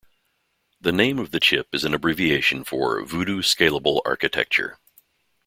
The name of the chip is an abbreviation for "Voodoo Scalable Architecture.